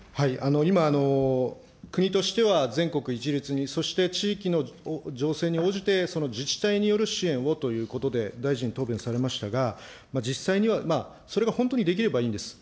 今、国としては全国一律に、そして地域の情勢に応じて、その自治体による支援をということで、大臣、答弁されましたが、実際には、それが本当にできればいいんです。